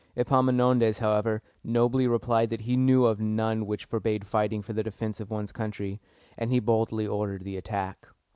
Epaminondas, however, nobly replied that he knew of none which forbade fighting for the defense of one's country, and he boldly ordered the attack.